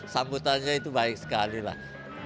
sambutannya itu baik sekali lah